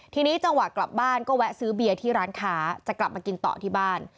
ทีนี้จังหวะกลับบ้านก็แวะซื้อเบียร์ที่ร้านค้าจะกลับมากินต่อที่บ้าน